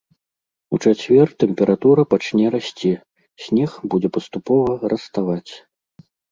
У чацвер тэмпература пачне расці, снег будзе паступова раставаць.